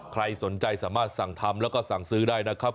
ใครสนใจสามารถสั่งทำแล้วก็สั่งซื้อได้นะครับ